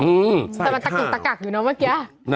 แต่มันตะกรุกตะกักอยู่เนาะเมื่อกี๊อ่ะ